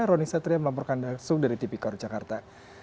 roni satria melampaukan dasar dari tp kor jakarta